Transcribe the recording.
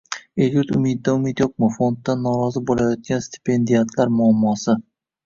«El-yurt umidi»dan umid yo‘qmi?» - fonddan norozi bo‘layotgan stipendiatlar muammosi